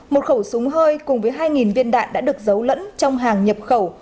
một khẩu súng hơi cùng với hai viên đạn đã được giấu lẫn trong hàng nhập khẩu